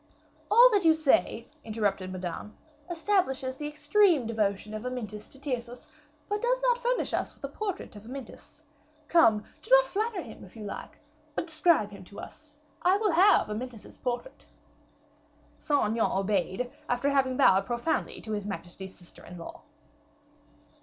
"All that you say," interrupted Madame, "establishes the extreme devotion of Amyntas to Tyrcis, but does not furnish us with the portrait of Amyntas. Comte, do not flatter him, if you like; but describe him to us. I will have Amyntas's portrait." Saint Aignan obeyed, after having bowed profoundly to his majesty's sister in law.